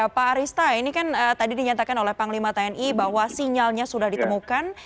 pak arista ini kan tadi dinyatakan oleh panglima tni bahwa sinyalnya sudah ditemukan